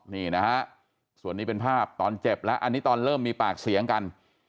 นี่นะฮะส่วนนี้เป็นภาพตอนเจ็บแล้วอันนี้ตอนเริ่มมีปากเสียงกัน